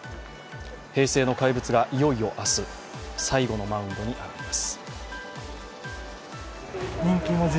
平成の怪物がいよいよ明日最後のマウンドに上がります。